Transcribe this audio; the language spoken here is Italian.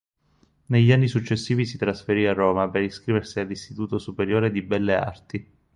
Negli anni successivi si trasferì a Roma per iscriversi all'Istituto superiore di belle arti.